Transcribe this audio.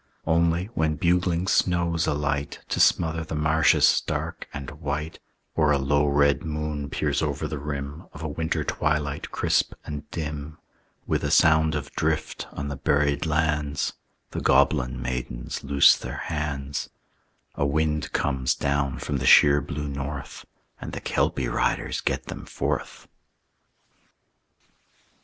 Only, when bugling snows alight To smother the marshes stark and white, Or a low red moon peers over the rim Of a winter twilight crisp and dim, With a sound of drift on the buried lands, The goblin maidens loose their hands; A wind comes down from the sheer blue North; And the Kelpie riders get them forth.